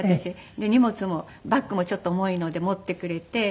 で荷物もバッグもちょっと重いので持ってくれて。